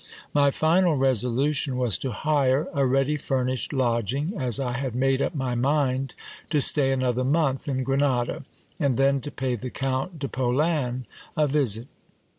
My final resolution was to hire a ready furnished lodging, as I had made up my mind to stay another month in Grenada, and then to pay the Count de Polan a visit.